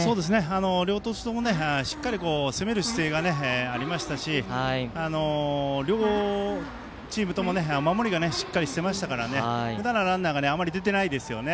両投手ともしっかり攻める姿勢がありましたし両チームとも守りがしっかりしていましたからランナーがあまり出てないですよね。